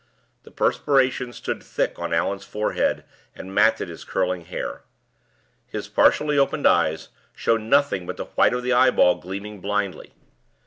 The perspiration stood thick on Allan's forehead, and matted his curling hair. His partially opened eyes showed nothing but the white of the eyeball gleaming blindly.